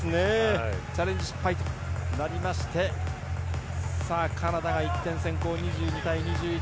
チャレンジ失敗となりましてカナダが１点先行、２２対２１。